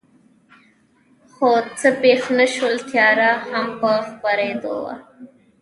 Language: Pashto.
خو څه پېښ نه شول، تیاره هم په خپرېدو وه.